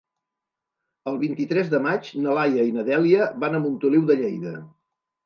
El vint-i-tres de maig na Laia i na Dèlia van a Montoliu de Lleida.